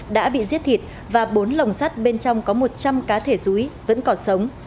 đã bị giết thịt và bốn lồng sắt bên trong có một trăm linh cá thể rúi vẫn còn sống